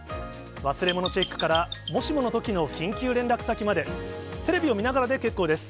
忘れ物チェックから、もしものときの緊急連絡先まで、テレビを見ながらで結構です。